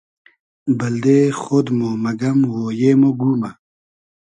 بئلدې خۉد مۉ مئگئم اویې مۉ گومۂ